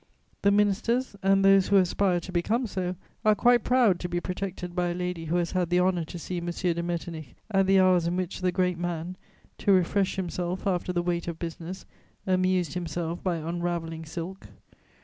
The ministers, and those who aspire to become so, are quite proud to be protected by a lady who has had the honour to see M. de Metternich at the hours in which the great man, to refresh himself after the weight of business, amused himself by unravelling silk.